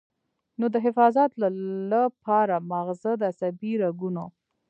نو د حفاظت له پاره مازغۀ د عصبي رګونو